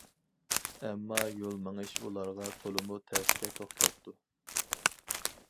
ئەمما، يول مېڭىش ئۇلارغا تولىمۇ تەسكە توختاپتۇ.